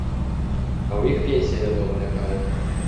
А ў іх пенсія вядома якая.